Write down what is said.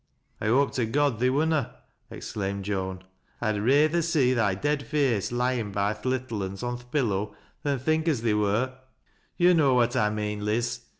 " I hope to God theer wur na," exclaimed Joan. " I'd rayther see thy dead face lyin' by th' little un's on th' pillow than think as theer wur. Yo' know what I mean, Liz.